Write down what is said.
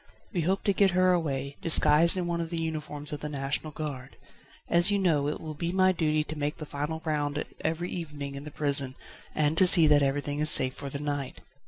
We hope to get her away, disguised in one of the uniforms of the National Guard. As you know, it will be my duty to make the final round every evening in the prison, and to see that everything is safe for the night.